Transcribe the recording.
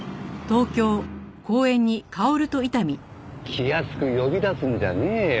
気安く呼び出すんじゃねえよ。